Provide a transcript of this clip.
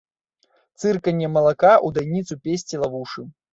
Цырканне малака ў дайніцу песціла вушы.